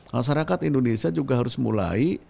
masyarakat indonesia juga harus mulai